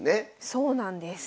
そうなんです。